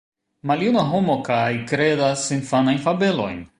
Maljuna homo kaj kredas infanajn fabelojn!